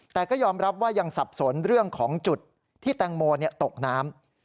แต่ก็ยอมรับว่ายังสับสนเรื่องของจุดที่แตงโมตกน้ำ